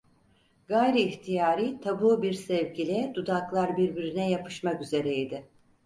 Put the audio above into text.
Gayri ihtiyarı, tabu bir sevk ile dudaklar birbirine yapışmak üzere idi.